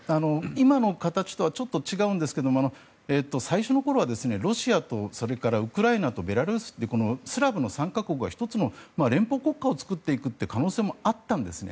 今の形とはちょっと違うんですが最初のころは、ロシアとウクライナとベラルーシというこのスラブの３か国が１つの連邦国家を作っていく可能性もあったんですね。